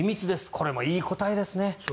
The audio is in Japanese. これもいい答えですね。